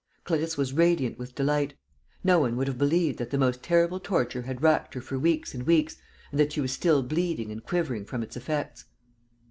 Clarisse was radiant with delight. No one would have believed that the most terrible torture had racked her for weeks and weeks and that she was still bleeding and quivering from its effects.